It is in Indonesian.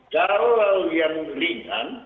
kalau yang ringan